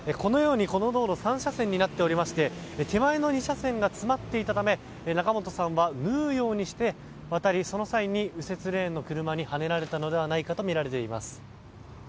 この道路は３車線になっていまして手前の２車線が詰まっていたため仲本さんは縫うようにして渡りその際に右折レーンの車にはねられたとみられています。